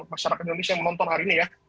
masyarakat indonesia yang menonton hari ini ya